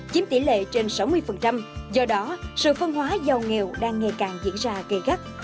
chiếm tỷ lệ trên sáu mươi do đó sự phân hóa giàu nghèo đang ngày càng diễn ra gây gắt